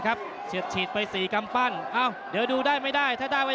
ห้างศึกนี้ขาแข้งเริ่มอ่อนละครับ